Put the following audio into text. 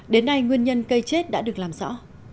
đến nay nguyên nhân cây chết đã được làm rõ